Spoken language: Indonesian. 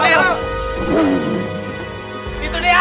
ayo kita kejar